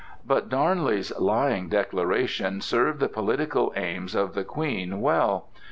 But Darnley's lying declaration served the political aims of the Queen well.